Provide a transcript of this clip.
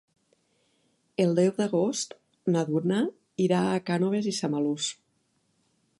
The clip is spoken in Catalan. El deu d'agost na Duna irà a Cànoves i Samalús.